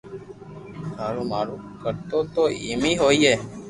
ٿارو مارو ڪرو تو ايم اي ھوئي